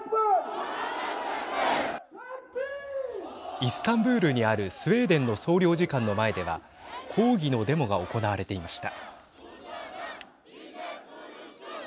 イスタンブールにあるスウェーデンの総領事館の前では抗議のデモが行われていました。